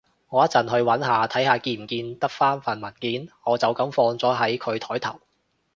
我一陣去搵下，睇下見唔見得返份文件，我就噉放咗喺佢枱頭